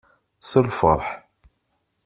S lfeṛḥ.